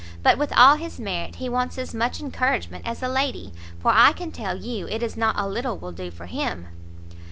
But, with all his merit, he wants as much encouragement as a lady, for I can tell you it is not a little will do for him."